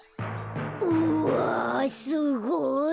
うわすごい。